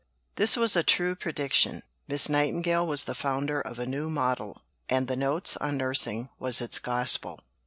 This was a true prediction. Miss Nightingale was the founder of a New Model, and the Notes on Nursing was its gospel.